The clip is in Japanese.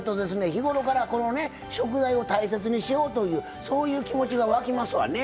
日頃からこのね食材を大切にしようというそういう気持ちが湧きますわね。